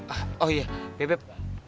ah oh iya bebep